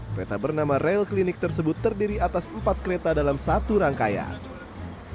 kereta bernama rel klinik tersebut terdiri atas empat kereta dalam satu rangkaian